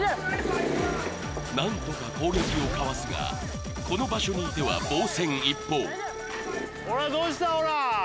何とか攻撃をかわすがこの場所にいては防戦一方ほらどうしたオラ！